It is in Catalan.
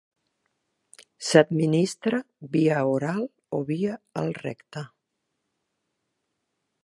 S'administra via oral o via el recte.